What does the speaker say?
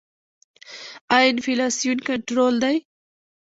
آیا انفلاسیون کنټرول دی؟